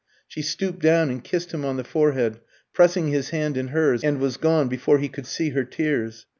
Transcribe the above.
She stooped down and kissed him on the forehead, pressing his hand in hers, and was gone before he could see her tears.